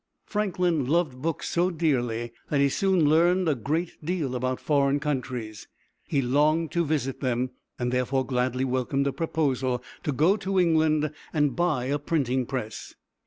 Franklin loved books so dearly that he soon learned a great deal about foreign countries. He longed to visit them, and therefore gladly welcomed a proposal to go to England and buy a printing press.